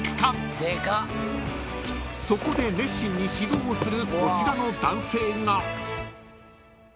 ［そこで熱心に指導をするこちらの男性が］